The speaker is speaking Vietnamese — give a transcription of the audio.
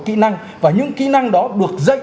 kĩ năng và những kĩ năng đó được dạy